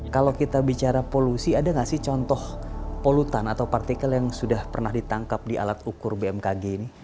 kalau kita bicara polusi ada nggak sih contoh polutan atau partikel yang sudah pernah ditangkap di alat ukur bmkg ini